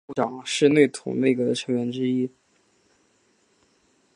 部长是总统内阁的成员之一。